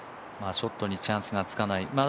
ショットにチャンスがつかない。